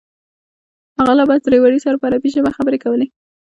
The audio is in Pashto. هغه له بس ډریور سره په عربي ژبه خبرې کولې.